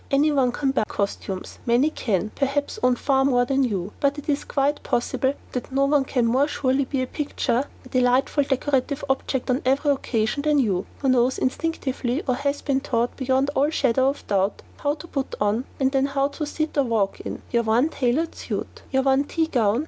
Anyone can buy costumes, many can, perhaps own far more than you, but it is quite possible that no one can more surely be a picture a delightfully decorative object on every occasion, than you, who knows instinctively (or has been taught), beyond all shadow of doubt, how to put on and then how to sit or walk in, your one tailored suit, your one tea gown, your one sport suit or ball gown.